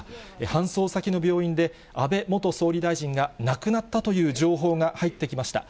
搬送先の病院で、安倍元総理大臣が亡くなったという情報が入ってきました。